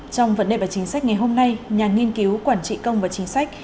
trong vấn đề và chính sách ngày hôm nay nhà nghiên cứu quản trị công và chính sách